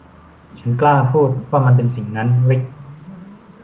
ฉันกล้าพูดว่ามันเป็นสิ่งนั้น ริค